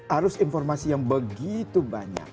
arus informasi yang begitu banyak